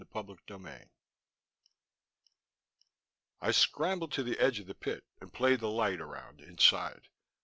CHAPTER VI I scrambled to the edge of the pit and played the light around inside.